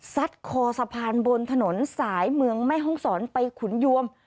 คอสะพานบนถนนสายเมืองแม่ห้องศรไปขุนยวม